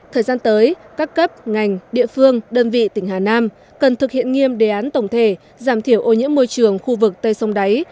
thời gian tới các cấp ngành địa phương đơn vị tỉnh hà nam cần thực hiện nghiêm đề án tổng thể giảm thiểu ô nhiễm môi trường khu vực tây sông đáy